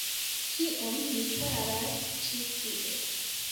Kion ni faras ĉi tie?